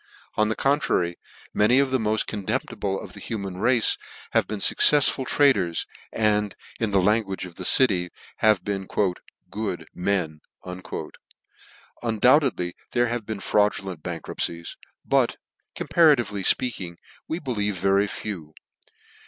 On the contrary, many of the mod con temptible of the human race have been fuccefsful traders, and, in the language of the city, have been " good men." Undoubtedly there have been fraudulent bankruptcies ; but,' compara tively fpeaking, we believe very few.